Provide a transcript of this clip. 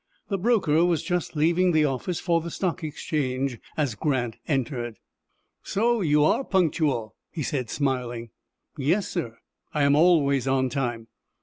The broker was just leaving the office for the Stock Exchange as Grant entered. "So you are punctual," he said, smiling. "Yes, sir, I always on time."